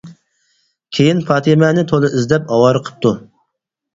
كىيىن پاتىمەنى تولا ئىزدەپ ئاۋارە قىپتۇ.